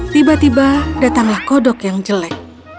tiba tiba datanglah kodok yang jelek